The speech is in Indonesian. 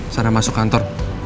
sana masuk kantor